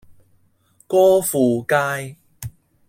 歌賦街